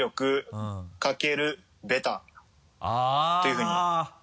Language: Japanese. あっ。というふうに。